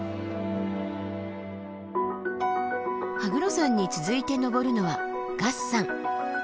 羽黒山に続いて登るのは月山。